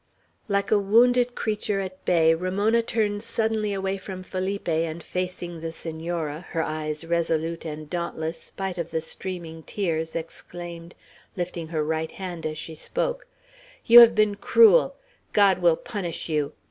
Like a wounded creature at bay, Ramona turned suddenly away from Felipe, and facing the Senora, her eyes resolute and dauntless spite of the streaming tears, exclaimed, lifting her right hand as she spoke, "You have been cruel; God will punish you!"